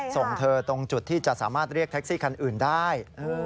ส่งเธอตรงจุดที่จะสามารถเรียกแท็กซี่คันอื่นได้